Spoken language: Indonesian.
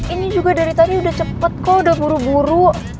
ini juga dari tadi udah cepet kok udah buru buru